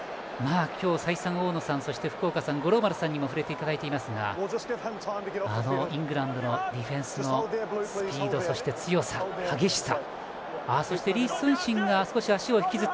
今日再三、大野さんそして福岡さん、五郎丸さんにも触れていただいていますがイングランドのディフェンスのスピードそして、強さ、激しさ。